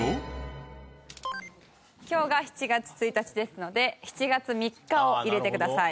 今日が７日１日ですので７月３日を入れてください。